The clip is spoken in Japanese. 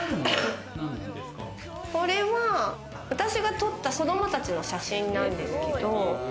これは私が撮った子供たちの写真なんですけど。